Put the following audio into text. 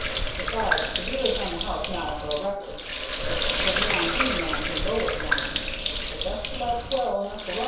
Besides, the beer is on the house now for a record, but 'twill be on any man who lowers yon so best lat well enough alone."